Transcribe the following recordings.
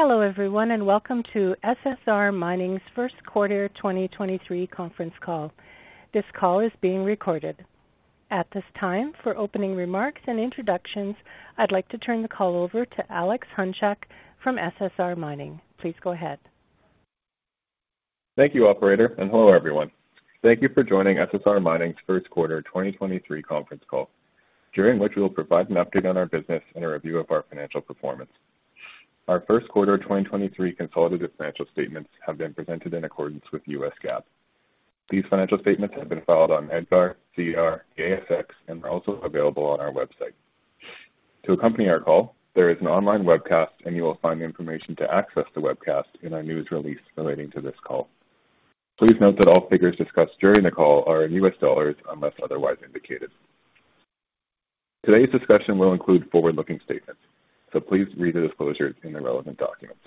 Hello, everyone, welcome to SSR Mining's First Quarter 2023 Conference Call. This call is being recorded. At this time, for opening remarks and introductions, I'd like to turn the call over to Alex Hunchak from SSR Mining. Please go ahead. Thank you, operator, and hello, everyone. Thank you for joining SSR Mining's first quarter 2023 conference call, during which we will provide an update on our business and a review of our financial performance. Our first quarter of 2023 consolidated financial statements have been presented in accordance with U.S. GAAP. These financial statements have been filed on EDGAR, SEDAR, ASX, and are also available on our website. To accompany our call, there is an online webcast, and you will find the information to access the webcast in our news release relating to this call. Please note that all figures discussed during the call are in U.S. dollars unless otherwise indicated. Today's discussion will include forward-looking statements, so please read the disclosures in the relevant documents.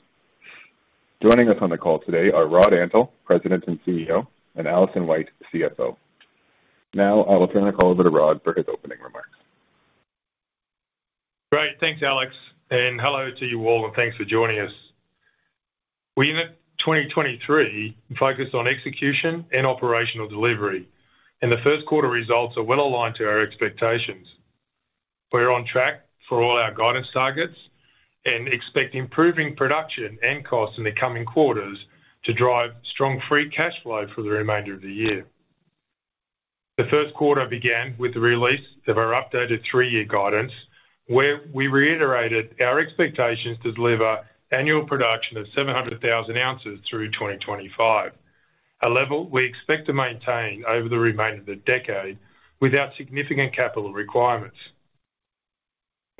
Joining us on the call today are Rod Antal, President and CEO, and Alison White, CFO. Now, I will turn the call over to Rod for his opening remarks. Great. Thanks, Alex, and hello to you all, and thanks for joining us. We're in a 2023 focused on execution and operational delivery. The first quarter results are well aligned to our expectations. We're on track for all our guidance targets and expect improving production and costs in the coming quarters to drive strong free cash flow for the remainder of the year. The first quarter began with the release of our updated 3-year guidance, where we reiterated our expectations to deliver annual production of 700,000 ounces through 2025. A level we expect to maintain over the remainder of the decade without significant capital requirements.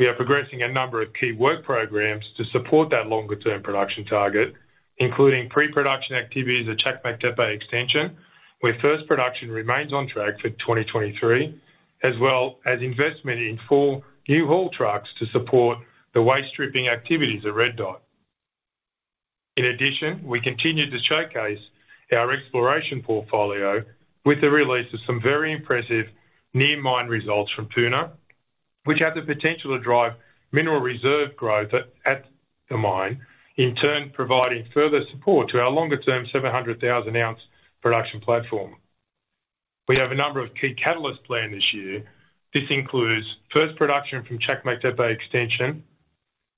We are progressing a number of key work programs to support that longer-term production target, including pre-production activities at Çakmaktepe Extension, where first production remains on track for 2023, as well as investment in four new haul trucks to support the waste stripping activities at Red Lake. In addition, we continue to showcase our exploration portfolio with the release of some very impressive near mine results from Puna, which have the potential to drive mineral reserve growth at the mine, in turn, providing further support to our longer-term 700,000 ounce production platform. We have a number of key catalysts planned this year. This includes first production from Çakmaktepe Extension,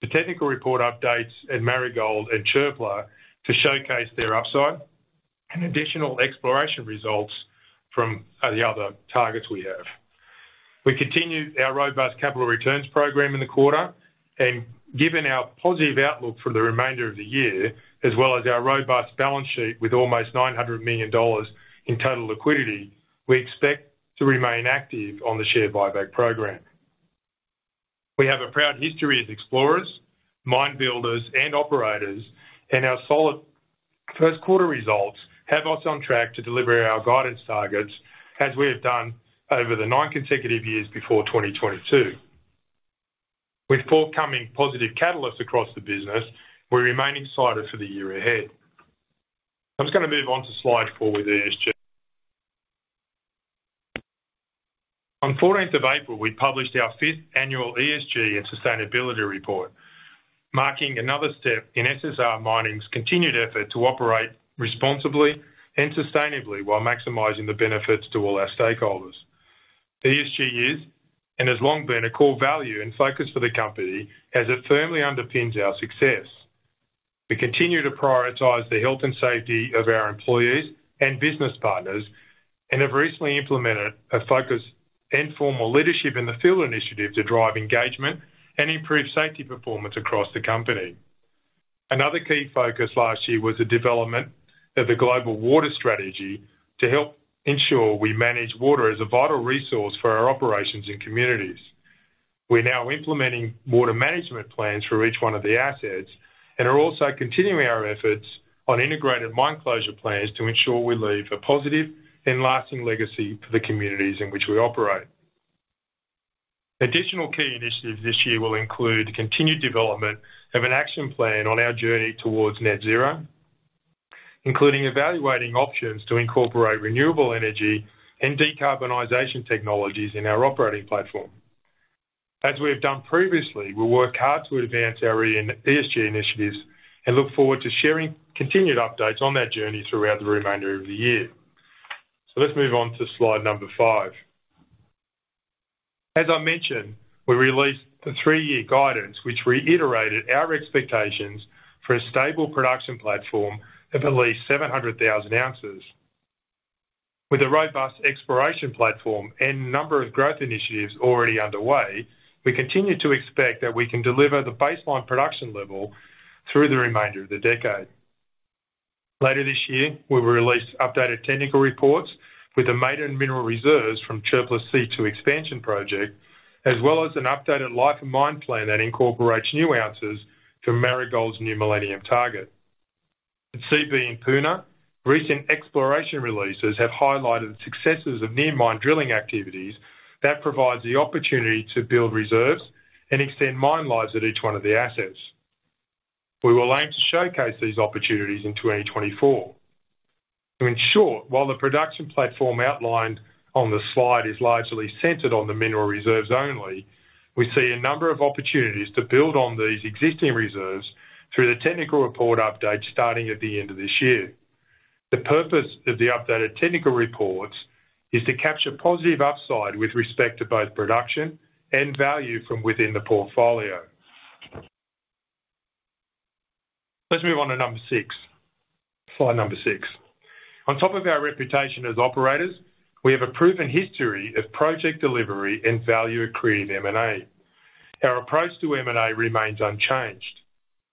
the technical report updates at Marigold and Çöpler to showcase their upside, and additional exploration results from the other targets we have. We continued our robust capital returns program in the quarter, given our positive outlook for the remainder of the year, as well as our robust balance sheet with almost $900 million in total liquidity, we expect to remain active on the share buyback program. We have a proud history as explorers, mine builders, and operators, our solid first quarter results have us on track to deliver our guidance targets as we have done over the nine consecutive years before 2022. With forthcoming positive catalysts across the business, we remain excited for the year ahead. I'm just gonna move on to slide 4 with ESG. On fourteenth of April, we published our fifth annual ESG and sustainability report, marking another step in SSR Mining's continued effort to operate responsibly and sustainably while maximizing the benefits to all our stakeholders. ESG is and has long been a core value and focus for the company as it firmly underpins our success. We continue to prioritize the health and safety of our employees and business partners, and have recently implemented a focus and formal leadership in the field initiative to drive engagement and improve safety performance across the company. Another key focus last year was the development of the global water strategy to help ensure we manage water as a vital resource for our operations and communities. We're now implementing water management plans for each one of the assets and are also continuing our efforts on integrated mine closure plans to ensure we leave a positive and lasting legacy for the communities in which we operate. Additional key initiatives this year will include continued development of an action plan on our journey towards net zero, including evaluating options to incorporate renewable energy and decarbonization technologies in our operating platform. As we have done previously, we'll work hard to advance our ESG initiatives and look forward to sharing continued updates on that journey throughout the remainder of the year. Let's move on to slide number five. As I mentioned, we released the three-year guidance, which reiterated our expectations for a stable production platform of at least 700,000 ounces. With a robust exploration platform and number of growth initiatives already underway, we continue to expect that we can deliver the baseline production level through the remainder of the decade. Later this year, we will release updated technical reports with the maiden Mineral Reserves from Çöpler C2 expansion project, as well as an updated life and mine plan that incorporates new ounces from Marigold's New Millennium target. At Seabee in Puna, recent exploration releases have highlighted successes of near mine drilling activities that provides the opportunity to build reserves and extend mine lives at each one of the assets. We will aim to showcase these opportunities in 2024. While the production platform outlined on the slide is largely centered on the Mineral Reserves only, we see a number of opportunities to build on these existing reserves through the technical report update starting at the end of this year. The purpose of the updated technical reports is to capture positive upside with respect to both production and value from within the portfolio. Let's move on to number 6. Slide number six. On top of our reputation as operators, we have a proven history of project delivery and value-accreting M&A. Our approach to M&A remains unchanged.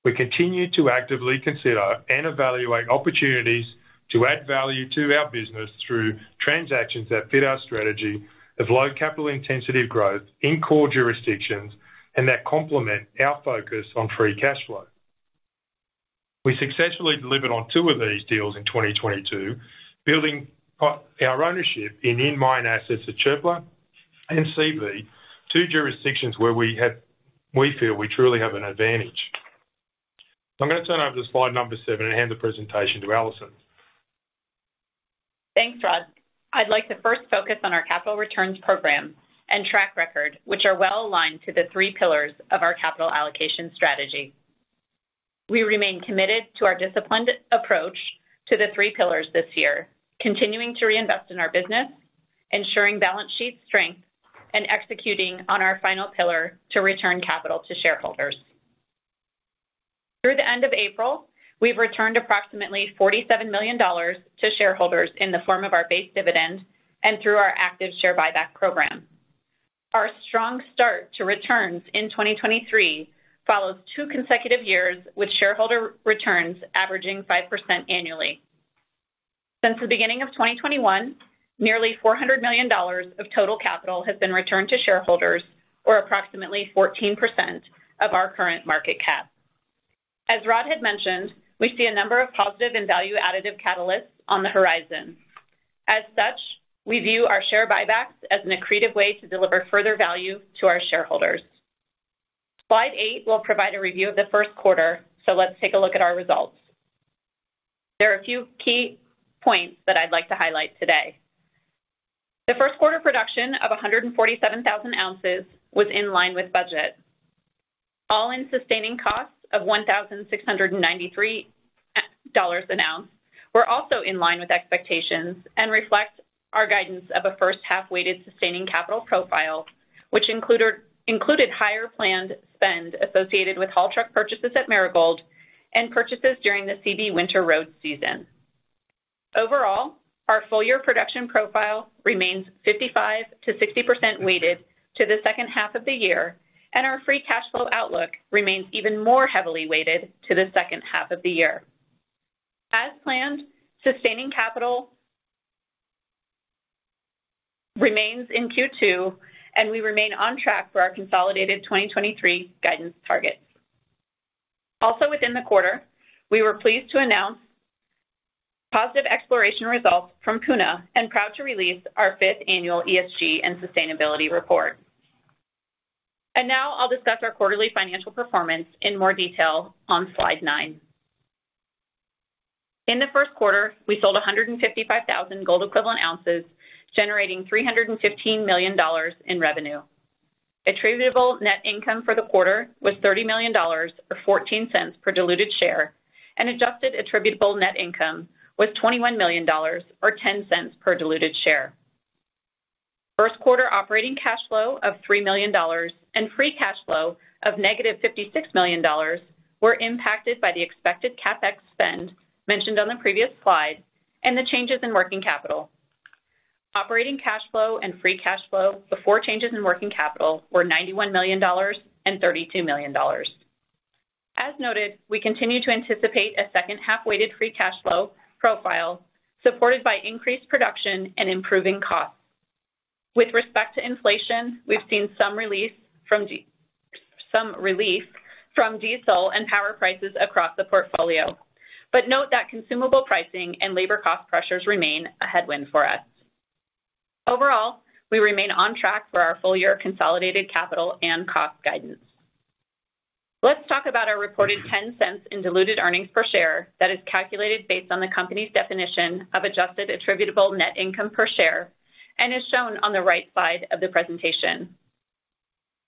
We continue to actively consider and evaluate opportunities to add value to our business through transactions that fit our strategy of low capital intensity growth in core jurisdictions and that complement our focus on free cash flow. We successfully delivered on two of these deals in 2022, building our ownership in-mine assets at Çöpler and Seabee, two jurisdictions where we feel we truly have an advantage. I'm gonna turn over to slide number seven and hand the presentation to Alison. Thanks, Rod. I'd like to first focus on our capital returns program and track record, which are well-aligned to the three pillars of our capital allocation strategy. We remain committed to our disciplined approach to the three pillars this year, continuing to reinvest in our business, ensuring balance sheet strength, and executing on our final pillar to return capital to shareholders. Through the end of April, we've returned approximately $47 million to shareholders in the form of our base dividend and through our active share buyback program. Our strong start to returns in 2023 follows two consecutive years with shareholder returns averaging 5% annually. Since the beginning of 2021, nearly $400 million of total capital has been returned to shareholders or approximately 14% of our current market cap. As Rod had mentioned, we see a number of positive and value additive catalysts on the horizon. As such, we view our share buybacks as an accretive way to deliver further value to our shareholders. Slide 8 will provide a review of the first quarter, so let's take a look at our results. There are a few key points that I'd like to highlight today. The first quarter production of 147,000 ounces was in line with budget. All-in Sustaining Costs of $1,693 an ounce were also in line with expectations and reflect our guidance of a first half-weighted sustaining capital profile, which included higher planned spend associated with haul truck purchases at Marigold and purchases during the Seabee winter road season. Overall, our full year production profile remains 55%-60% weighted to the second half of the year. Our free cash flow outlook remains even more heavily weighted to the second half of the year. As planned, sustaining capital remains in Q2. We remain on track for our consolidated 2023 guidance targets. Also within the quarter, we were pleased to announce positive exploration results from Puna and proud to release our fifth annual ESG and sustainability report. Now I'll discuss our quarterly financial performance in more detail on slide 9. In the first quarter, we sold 155,000 gold equivalent ounces, generating $315 million in revenue. Attributable net income for the quarter was $30 million or $0.14 per diluted share. Adjusted attributable net income was $21 million or $0.10 per diluted share. First quarter operating cash flow of $3 million and free cash flow of negative $56 million were impacted by the expected CapEx spend mentioned on the previous slide and the changes in working capital. Operating cash flow and free cash flow before changes in working capital were $91 million and $32 million. As noted, we continue to anticipate a second half-weighted free cash flow profile supported by increased production and improving costs. With respect to inflation, we've seen some relief from diesel and power prices across the portfolio. Note that consumable pricing and labor cost pressures remain a headwind for us. Overall, we remain on track for our full year consolidated capital and cost guidance. Let's talk about our reported $0.10 in diluted earnings per share that is calculated based on the company's definition of adjusted attributable net income per share and is shown on the right side of the presentation.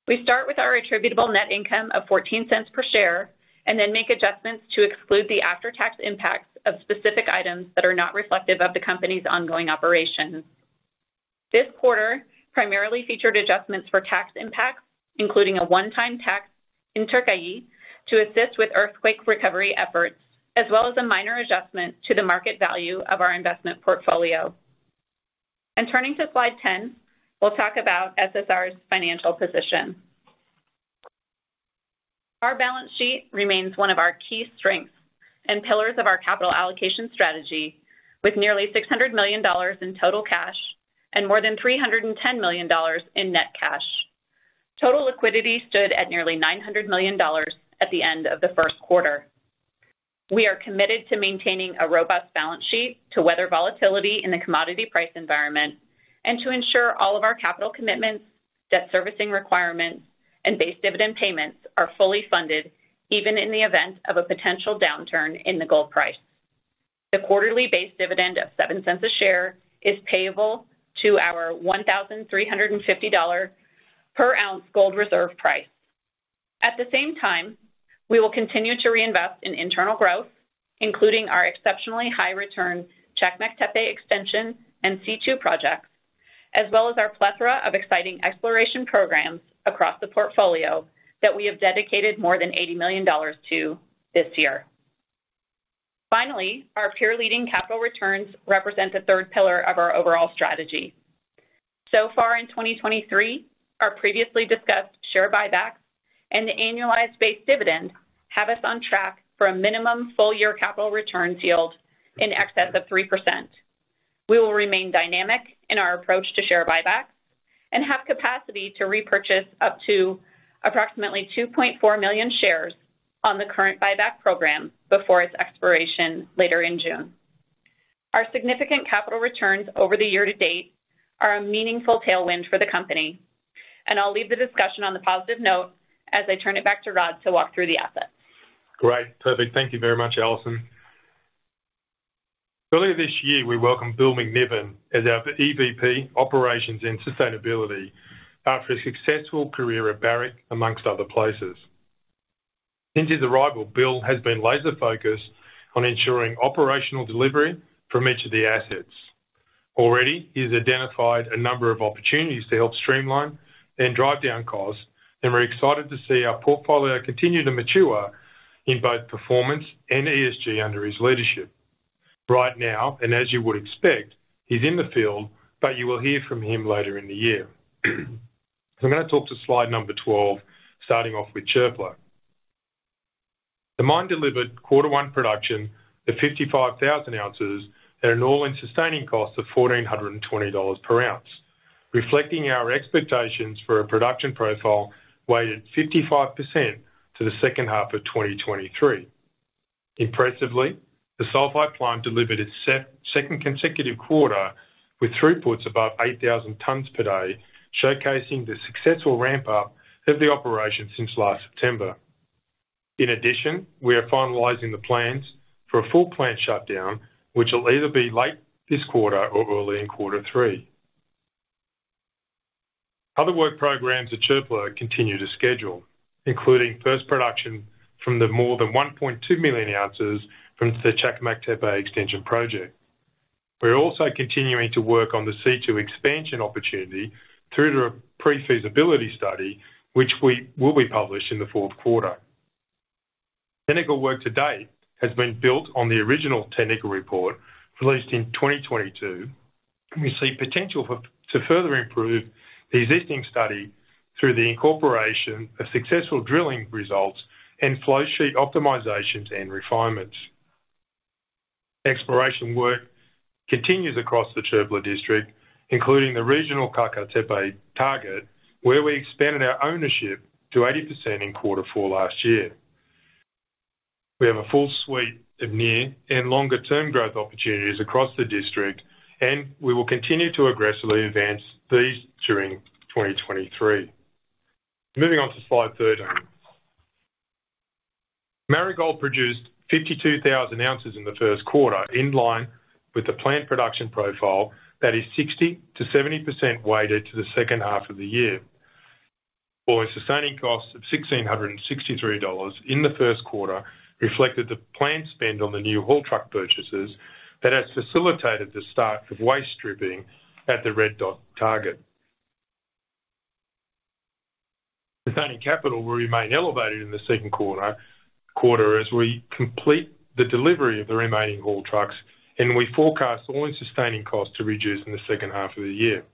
We start with our attributable net income of $0.14 per share and then make adjustments to exclude the after-tax impacts of specific items that are not reflective of the company's ongoing operations. This quarter primarily featured adjustments for tax impacts, including a one-time tax in Türkiye to assist with earthquake recovery efforts, as well as a minor adjustment to the market value of our investment portfolio. Turning to slide 10, we'll talk about SSR's financial position. Our balance sheet remains one of our key strengths and pillars of our capital allocation strategy with nearly $600 million in total cash and more than $310 million in net cash. Total liquidity stood at nearly $900 million at the end of the first quarter. We are committed to maintaining a robust balance sheet to weather volatility in the commodity price environment. To ensure all of our capital commitments, debt servicing requirements, and base dividend payments are fully funded, even in the event of a potential downturn in the gold price. The quarterly base dividend of $0.07 a share is payable to our $1,350 per ounce gold reserve price. At the same time, we will continue to reinvest in internal growth, including our exceptionally high return Çakmaktepe Extension and C2 projects, as well as our plethora of exciting exploration programs across the portfolio that we have dedicated more than $80 million to this year. Our peer-leading capital returns represent the third pillar of our overall strategy. In 2023, our previously discussed share buybacks and the annualized base dividend have us on track for a minimum full-year capital returns yield in excess of 3%. We will remain dynamic in our approach to share buybacks and have capacity to repurchase up to approximately 2.4 million shares on the current buyback program before its expiration later in June. Our significant capital returns over the year to date are a meaningful tailwind for the company, and I'll leave the discussion on the positive note as I turn it back to Rod to walk through the assets. Great. Perfect. Thank you very much, Allison. Earlier this year, we welcomed Bill MacNevin as our EVP, Operations and Sustainability after a successful career at Barrick, among other places. Since his arrival, Bill has been laser-focused on ensuring operational delivery from each of the assets. Already, he has identified a number of opportunities to help streamline and drive down costs, and we're excited to see our portfolio continue to mature in both performance and ESG under his leadership. Right now, and as you would expect, he's in the field, but you will hear from him later in the year. I'm going to talk to slide number 12, starting off with Çöpler. The mine delivered quarter one production of 55,000 ounces at an All-in Sustaining Cost of $1,420 per ounce, reflecting our expectations for a production profile weighted 55% to the second half of 2023. Impressively, the sulfide plant delivered its second consecutive quarter with throughputs above 8,000 tons per day, showcasing the successful ramp up of the operation since last September. We are finalizing the plans for a full plant shutdown, which will either be late this quarter or early in quarter three. Other work programs at Çöpler continue to schedule, including first production from the more than 1.2 million ounces from the Çakmaktepe Extension project. We're also continuing to work on the C2 expansion opportunity through to a pre-feasibility study, which we will be published in the fourth quarter. Technical work to date has been built on the original technical report released in 2022. We see potential to further improve the existing study through the incorporation of successful drilling results and flowsheet optimizations and refinements. Exploration work continues across the Çöpler district, including the regional Kartaltepe target, where we expanded our ownership to 80% in quarter four last year. We have a full suite of near and longer-term growth opportunities across the district. We will continue to aggressively advance these during 2023. Moving on to slide 13. Marigold produced 52,000 ounces in the first quarter, in line with the plant production profile that is 60%-70% weighted to the second half of the year. All Sustaining Costs of $1,663 in the first quarter reflected the planned spend on the new haul truck purchases that has facilitated the start of waste stripping at the Red Dot target. Sustaining capital will remain elevated in the second quarter as we complete the delivery of the remaining haul trucks. We forecast All-in Sustaining Costs to reduce in the second half of the year.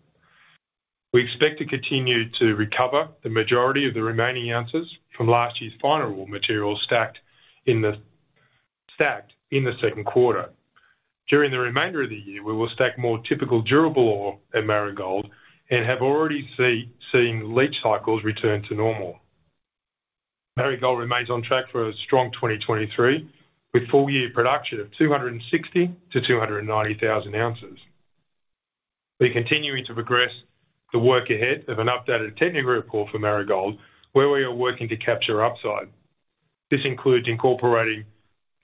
We expect to continue to recover the majority of the remaining ounces from last year's final material stacked in the second quarter. During the remainder of the year, we will stack more typical durable ore at Marigold and have already seeing leach cycles return to normal. Marigold remains on track for a strong 2023, with full-year production of 260,000-290,000 ounces. We're continuing to progress the work ahead of an updated technical report for Marigold, where we are working to capture upside. This includes incorporating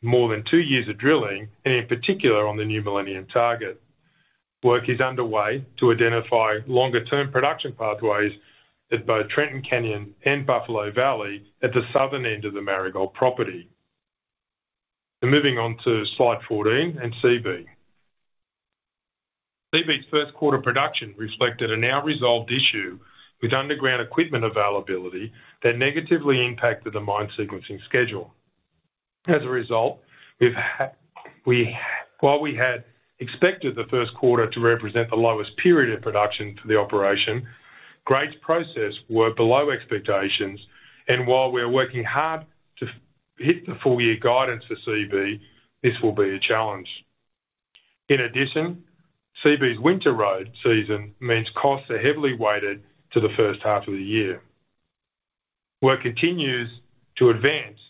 more than two years of drilling and in particular on the New Millennium target. Work is underway to identify longer-term production pathways at both Trenton Canyon and Buffalo Valley at the southern end of the Marigold property. Moving on to slide 14 and Seabee. Seabee's first quarter production reflected a now resolved issue with underground equipment availability that negatively impacted the mine sequencing schedule. As a result, we had expected the first quarter to represent the lowest period of production for the operation, grades processed were below expectations, and while we are working hard to hit the full-year guidance for Seabee, this will be a challenge. In addition, Seabee's winter road season means costs are heavily weighted to the first half of the year. Work continues to advance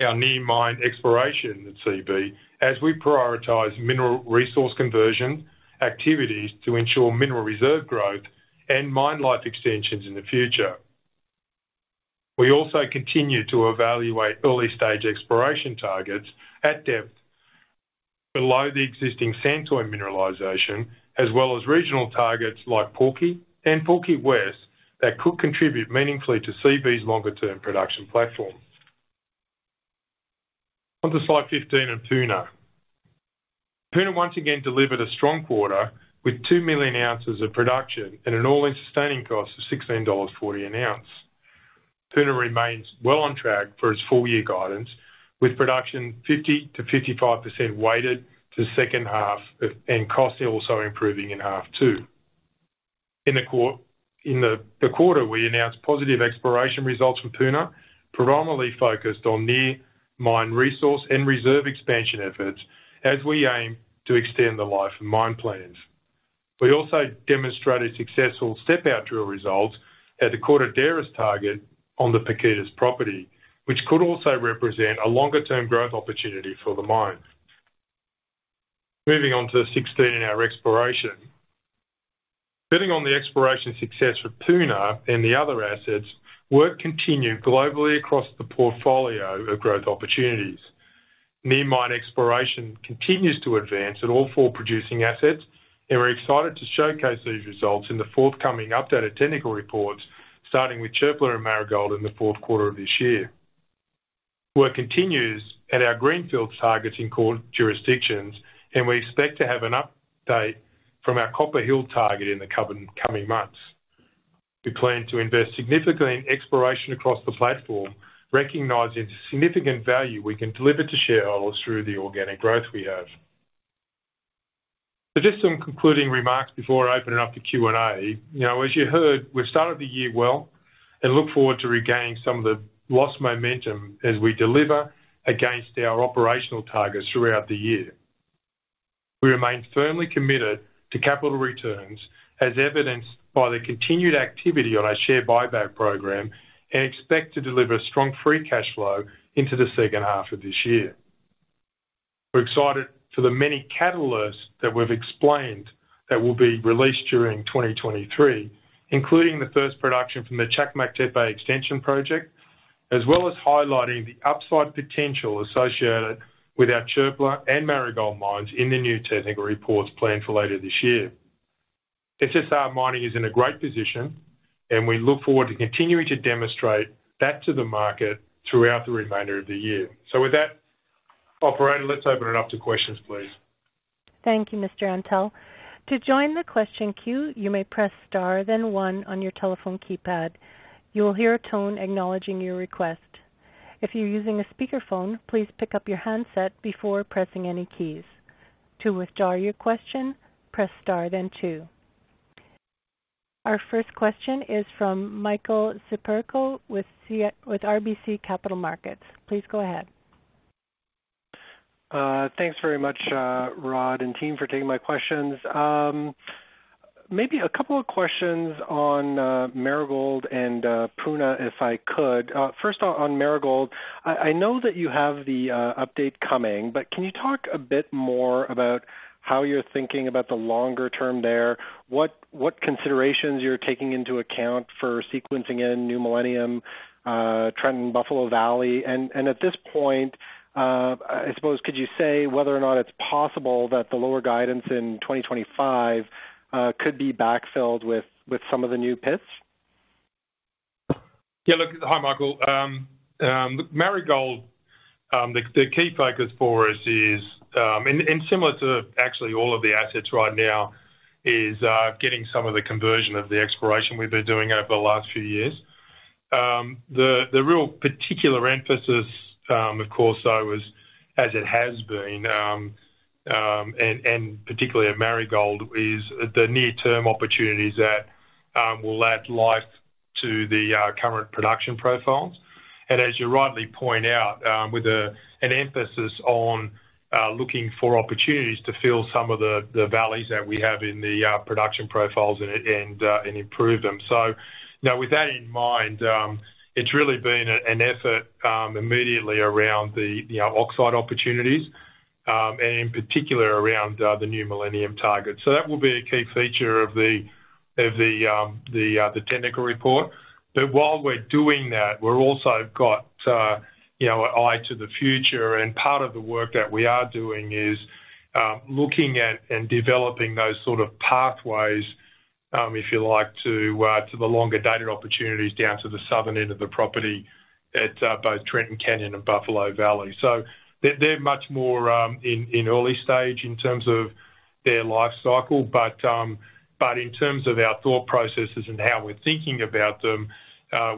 our near mine exploration at CV as we prioritize Mineral Resource conversion activities to ensure Mineral Reserve growth and mine life extensions in the future. We also continue to evaluate early-stage exploration targets at depth below the existing Santoy mineralization, as well as regional targets like Porker and Porker West that could contribute meaningfully to CV's longer-term production platform. On to slide 15 of Puna. Puna once again delivered a strong quarter with 2 million ounces of production at an All-in Sustaining Cost of $16.40 an ounce. Puna remains well on track for its full-year guidance, with production 50%-55% weighted to second half and costs also improving in half 2. In the quarter, we announced positive exploration results from Puna, predominantly focused on near mine resource and reserve expansion efforts as we aim to extend the life of mine plans. We also demonstrated successful step-out drill results at the Cortaderas target on the Pirquitas property, which could also represent a longer-term growth opportunity for the mine. Moving on to 16, our exploration. Building on the exploration success with Puna and the other assets, work continued globally across the portfolio of growth opportunities. Near mine exploration continues to advance at all four producing assets, and we're excited to showcase these results in the forthcoming updated technical reports, starting with Çöpler and Marigold in the fourth quarter of this year. Work continues at our greenfield targets in core jurisdictions, and we expect to have an update from our Copper Hill target in the coming months. We plan to invest significantly in exploration across the platform, recognizing the significant value we can deliver to shareholders through the organic growth we have. Just some concluding remarks before I open it up to Q&A. You know, as you heard, we've started the year well and look forward to regaining some of the lost momentum as we deliver against our operational targets throughout the year. We remain firmly committed to capital returns, as evidenced by the continued activity on our share buyback program, and expect to deliver strong free cash flow into the second half of this year. We're excited for the many catalysts that we've explained that will be released during 2023, including the first production from the Çakmaktepe Extension project, as well as highlighting the upside potential associated with our Çöpler and Marigold mines in the new technical reports planned for later this year. SSR Mining is in a great position, and we look forward to continuing to demonstrate that to the market throughout the remainder of the year. With that, operator, let's open it up to questions, please. Thank you, Rod Antal. To join the question queue, you may press Star, then one on your telephone keypad. You will hear a tone acknowledging your request. If you're using a speakerphone, please pick up your handset before pressing any keys. To withdraw your question, press Star then two. Our first question is from Michael Siperco with RBC Capital Markets. Please go ahead. Thanks very much, Rod and team for taking my questions. Maybe a couple of questions on Marigold and Puna, if I could. First on Marigold. I know that you have the update coming, but can you talk a bit more about how you're thinking about the longer term there? What considerations you're taking into account for sequencing in New Millennium, Trenton Buffalo Valley? At this point, I suppose could you say whether or not it's possible that the lower guidance in 2025 could be backfilled with some of the new pits? Yeah, look. Hi, Michael. Marigold, the key focus for us is, and similar to actually all of the assets right now, is getting some of the conversion of the exploration we've been doing over the last few years. The real particular emphasis, of course, though, is, as it has been, and particularly at Marigold, is the near-term opportunities that will add life to the current production profiles. As you rightly point out, with an emphasis on looking for opportunities to fill some of the valleys that we have in the production profiles and improve them. Now with that in mind, it's really been an effort immediately around the oxide opportunities, and in particular around the New Millennium target. That will be a key feature of the technical report. While we're doing that, we're also got, you know, an eye to the future. Part of the work that we are doing is looking at and developing those sort of pathways, if you like, to the longer-dated opportunities down to the southern end of the property at both Trenton Canyon and Buffalo Valley. They're much more in early stage in terms of their life cycle. In terms of our thought processes and how we're thinking about them,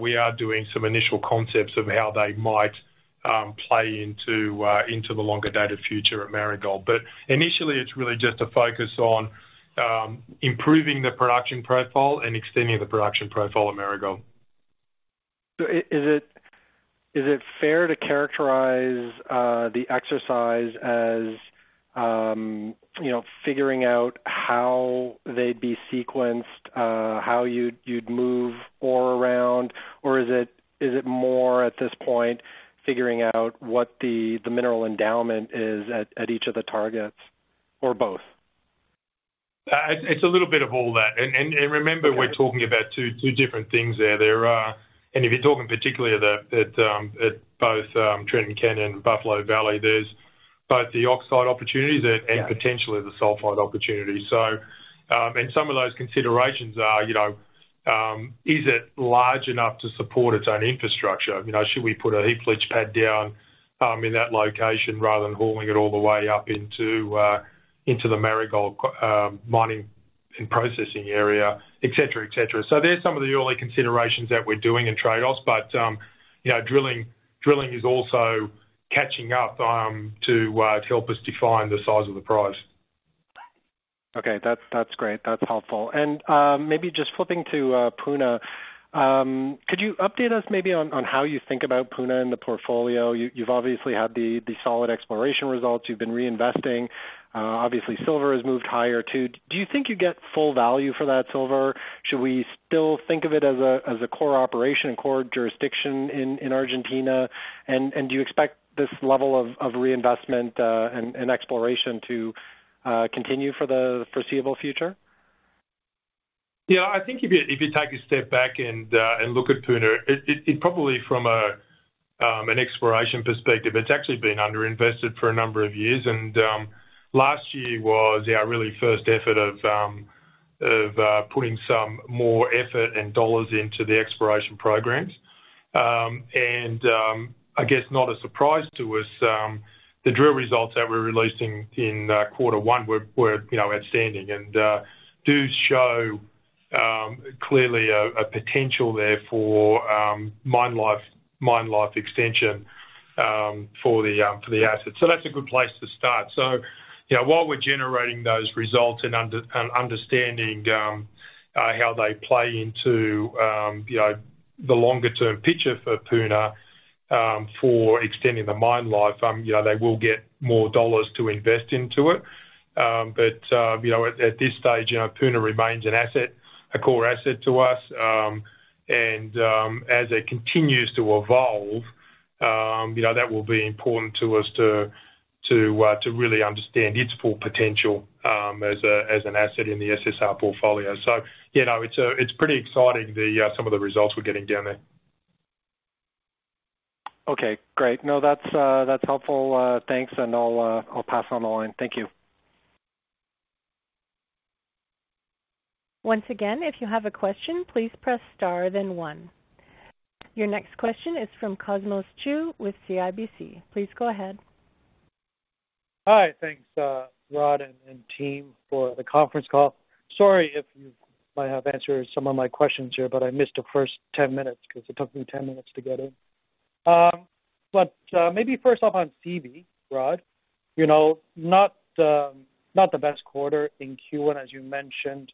we are doing some initial concepts of how they might play into the longer-dated future at Marigold. Initially it's really just a focus on improving the production profile and extending the production profile at Marigold. Is it fair to characterize the exercise as, you know, figuring out how they'd be sequenced, how you'd move ore around? Or is it more at this point figuring out what the mineral endowment is at each of the targets or both? It's a little bit of all that. Remember, we're talking about two different things there. There are. If you're talking particularly at both Trenton Canyon and Buffalo Valley, there's both the oxide opportunities and potentially the sulfide opportunities. Some of those considerations are, you know, is it large enough to support its own infrastructure? You know, should we put a heap leach pad down in that location rather than hauling it all the way up into the Marigold mining and processing area, et cetera, et cetera. They're some of the early considerations that we're doing in trade-offs. You know, drilling is also catching up to help us define the size of the prize. Okay. That's great. That's helpful. Maybe just flipping to Puna. Could you update us maybe on how you think about Puna in the portfolio? You've obviously had the solid exploration results. You've been reinvesting. Obviously, silver has moved higher too. Do you think you get full value for that silver? Should we still think of it as a core operation, core jurisdiction in Argentina? Do you expect this level of reinvestment and exploration to continue for the foreseeable future? I think if you take a step back and look at Puna, it probably from an exploration perspective, it's actually been underinvested for a number of years. Last year was our, really, first effort of putting some more effort and dollars into the exploration programs. I guess not a surprise to us, the drill results that we're releasing in quarter one were, you know, outstanding and do show clearly a potential there for mine life extension for the asset. That's a good place to start. You know, while we're generating those results and understanding how they play into, you know, the longer term picture for Puna, for extending the mine life, you know, they will get more dollars to invest into it. You know, at this stage, you know, Puna remains an asset, a core asset to us. As it continues to evolve, you know, that will be important to us to really understand its full potential, as an asset in the SSR portfolio. You know, it's pretty exciting the some of the results we're getting down there. Okay, great. No, that's helpful. Thanks. I'll pass on the line. Thank you. Once again, if you have a question, please press star then one. Your next question is from Cosmos Chiu with CIBC. Please go ahead. Hi. Thanks, Rod and team for the conference call. Sorry if you might have answered some of my questions here, but I missed the first 10 minutes 'cause it took me 10 minutes to get in. Maybe first off on Seabee, Rod. You know, not the best quarter in Q1, as you mentioned.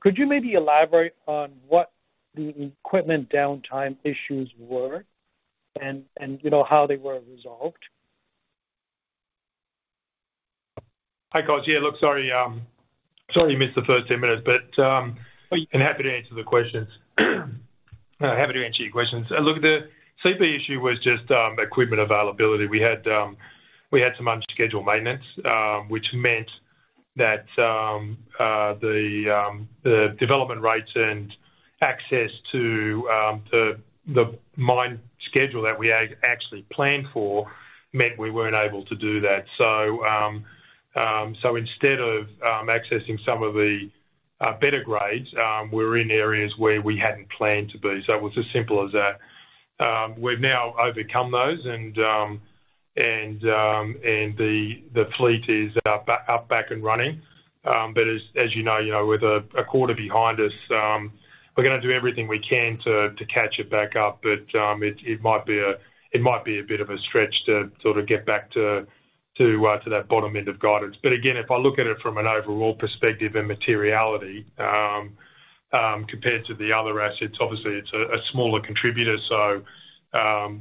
Could you maybe elaborate on what the equipment downtime issues were and you know, how they were resolved? Hi, Cos. Yeah, look, sorry you missed the first 10 minutes. I'm happy to answer the questions. I'm happy to answer your questions. Look, the Seabee issue was just equipment availability. We had some unscheduled maintenance, which meant that the development rates and access to the mine schedule that we actually planned for meant we weren't able to do that. Instead of accessing some of the, better grades, we're in areas where we hadn't planned to be. It was as simple as that. We've now overcome those and the fleet is back and running. As you know, you know, with a quarter behind us, we're gonna do everything we can to catch it back up. It might be a bit of a stretch to sort of get back to that bottom end of guidance. Again, if I look at it from an overall perspective and materiality, compared to the other assets, obviously it's a smaller contributor. You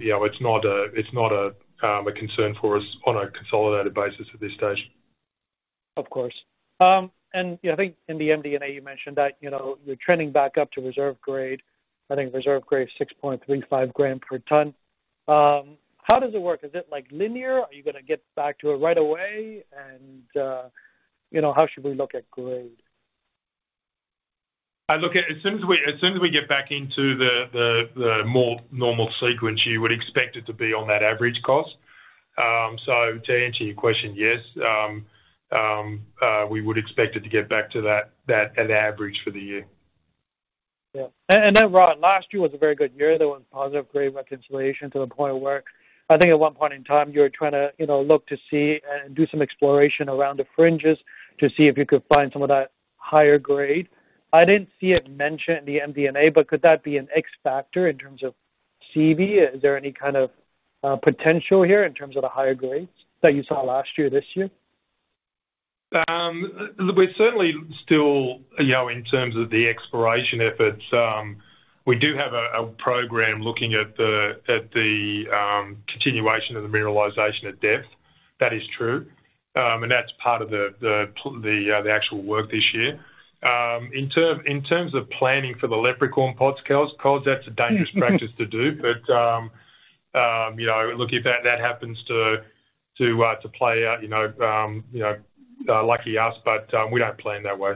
know, it's not a concern for us on a consolidated basis at this stage. Of course. Yeah, I think in the MD&A, you mentioned that, you know, you're trending back up to reserve grade. I think reserve grade is 6.35 gram per ton. How does it work? Is it like linear? Are you gonna get back to it right away? You know, how should we look at grade? As soon as we get back into the more normal sequence, you would expect it to be on that average cost. To answer your question, yes, we would expect it to get back to that an average for the year. Yeah. Rod, last year was a very good year. There was positive grade reconciliation to the point of work. I think at one point in time, you were trying to, you know, look to see and do some exploration around the fringes to see if you could find some of that higher grade. I didn't see it mentioned in the MD&A, could that be an X factor in terms of Seabee? Is there any kind of potential here in terms of the higher grades that you saw last year, this year? We're certainly still, you know, in terms of the exploration efforts, we do have a program looking at the continuation of the mineralization at depth. That is true. And that's part of the actual work this year. In terms of planning for the leprechaun pots, Cos, that's a dangerous practice to do. You know, look, if that happens to play out, you know, you know, lucky us, but we don't plan that way.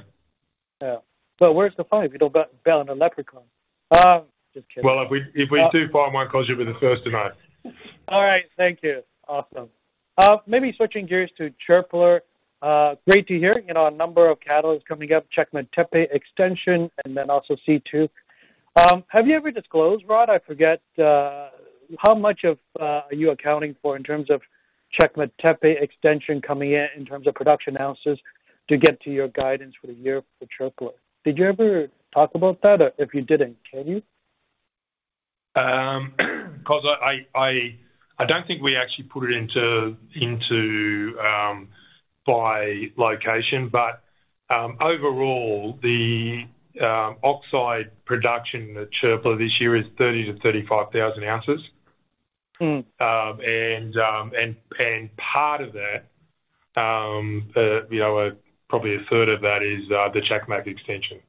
Yeah. Where's the fun if you don't bet on a leprechaun? Just kidding. Well, if we, if we do find one, Cos, you'll be the first to know. All right. Thank you. Awesome. Maybe switching gears to Çöpler. Great to hear, you know, a number of catalysts coming up, Çakmaktepe Extension, and then also C2. Have you ever disclosed, Rod, I forget, how much of, are you accounting for in terms of Çakmaktepe Extension coming in terms of production ounces to get to your guidance for the year for Çöpler? Did you ever talk about that? If you didn't, can you? Cos, I don't think we actually put it into by location, but overall, the oxide production at Çöpler this year is 30,000-35,000 ounces. Mm. Part of that, you know, probably a third of that is the Çakmaktepe Extension.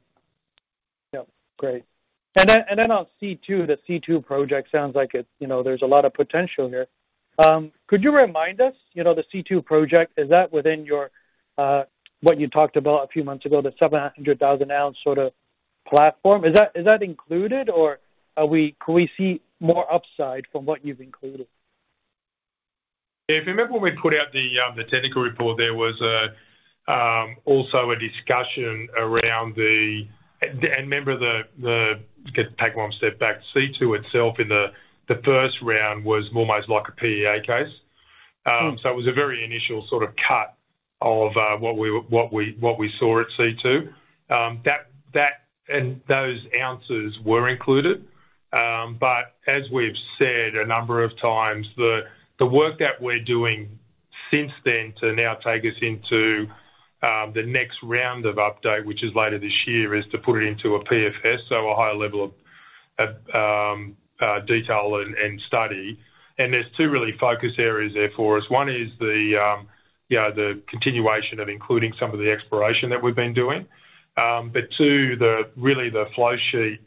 Yeah. Great. On C2, the C2 project sounds like it, you know, there's a lot of potential here. Could you remind us, you know, the C2 project, is that within your what you talked about a few months ago, the 700,000 ounce sort of platform? Is that, is that included or can we see more upside from what you've included? If you remember when we put out the technical report, there was also a discussion around the. Remember, take one step back. C2 itself in the first round was almost like a PEA case. It was a very initial sort of cut of what we saw at C2. That and those ounces were included. As we've said a number of times, the work that we're doing since then to now take us into the next round of update, which is later this year, is to put it into a PFS, so a higher level of detail and study. There's two really focus areas there for us. One is the, you know, the continuation of including some of the exploration that we've been doing. Two, the really the flowsheet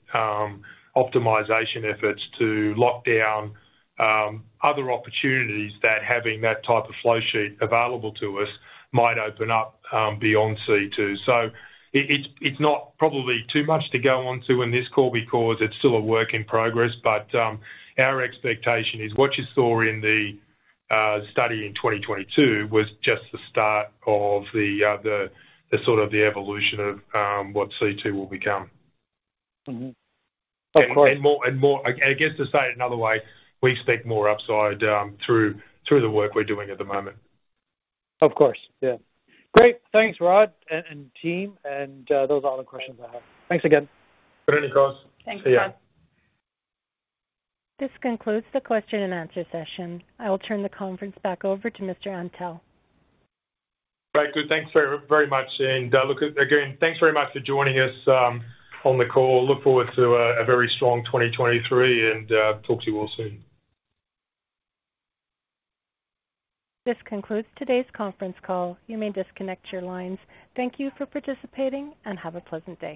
optimization efforts to lock down other opportunities that having that type of flowsheet available to us might open up beyond C2. It, it's not probably too much to go on to in this call because it's still a work in progress. Our expectation is what you saw in the study in 2022 was just the start of the sort of the evolution of what C2 will become. Mm-hmm. Of course. and more, I guess, to say it another way, we expect more upside, through the work we're doing at the moment. Of course. Yeah. Great. Thanks, Rod and team. Those are all the questions I have. Thanks again. Thanks. See ya. This concludes the question and answer session. I will turn the conference back over to Mr. Antal. Right. Good. Thanks very, very much. Look, again, thanks very much for joining us on the call. Look forward to a very strong 2023, and talk to you all soon. This concludes today's conference call. You may disconnect your lines. Thank you for participating and have a pleasant day.